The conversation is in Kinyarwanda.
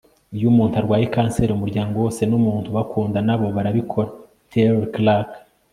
iyo umuntu arwaye kanseri, umuryango wose n'umuntu ubakunda na bo barabikora. - terri clark